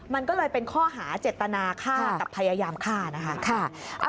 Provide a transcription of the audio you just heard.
มันก็เลยเป็นข้อหาเจตนาฆ่ากับพยายามฆ่านะคะ